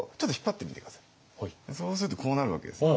そうするとこうなるわけです。